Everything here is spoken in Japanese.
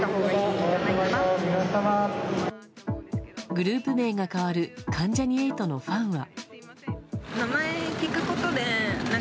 グループ名が変わる関ジャニ∞のファンは。